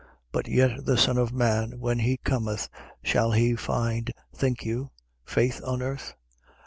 But yet the Son of man, when he cometh, shall he find, think you, faith on earth?